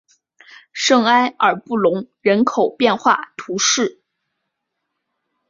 圣埃尔布隆人口变化图示